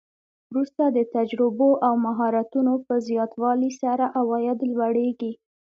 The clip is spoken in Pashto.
وروسته د تجربو او مهارتونو په زیاتوالي سره عواید لوړیږي